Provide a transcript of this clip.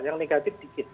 yang negatif dikit